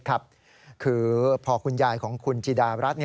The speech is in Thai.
คือพอคุณยายของคุณจิดารัฐ